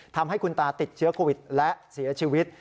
ทำให้คุณตาติดเชื้อโควิดและเสียชีวิต